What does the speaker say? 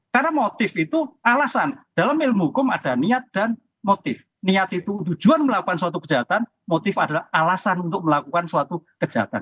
karena motif itu alasan dalam ilmu hukum ada niat dan motif niat itu tujuan melakukan suatu kejahatan motif adalah alasan untuk melakukan suatu kejahatan